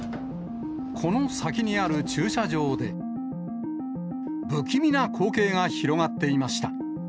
この先にある駐車場で、不気味な光景が広がっていました。